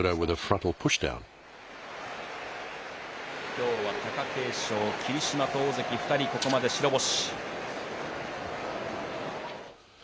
きょうは貴景勝、霧島と大関２人、ここまで白星。